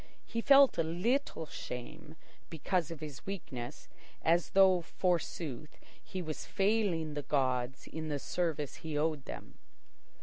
He felt a little shame because of his weakness, as though, forsooth, he were failing the gods in the service he owed them.